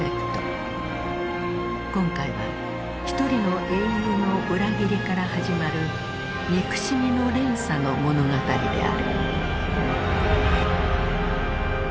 今回は一人の英雄の裏切りから始まる憎しみの連鎖の物語である。